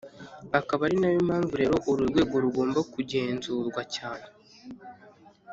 akaba ari na yo mpamvu rero uru rwego rugomba kugenzurwa cyane